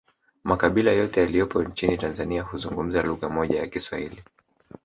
Makabila yote yaliyopo nchini Tanzania huzungumza lugha moja ya kiswahili